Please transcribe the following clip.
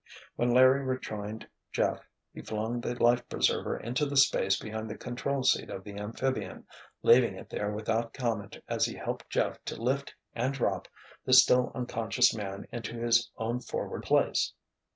When Larry rejoined Jeff, he flung the life preserver into the space behind the control seat of the amphibian, leaving it there without comment as he helped Jeff to lift and drop the still unconscious man into his own forward place.